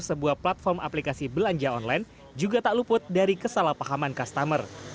sebuah platform aplikasi belanja online juga tak luput dari kesalahpahaman customer